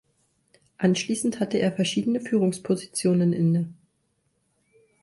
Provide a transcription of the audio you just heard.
Anschließend hatte er verschiedene Führungspositionen inne.